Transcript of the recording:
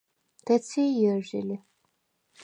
დეცი ჲჷრჟი ლი.